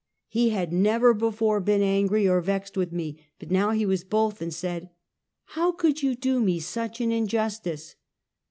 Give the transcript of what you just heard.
He had never before been angrv or vexed with me, but now he was both, and said: "How could you do me such an injustice?"